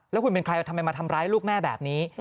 แล้วคุณเป็นใครทำไมมาทำร้ายลูกแม่แบบนี้